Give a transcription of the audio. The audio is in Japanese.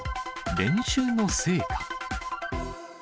練習の成果。